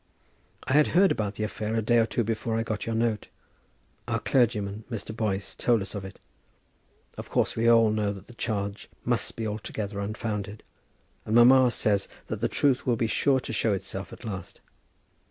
I had heard about the affair a day or two before I got your note. Our clergyman, Mr. Boyce, told us of it. Of course we all know that the charge must be altogether unfounded, and mamma says that the truth will be sure to show itself at last.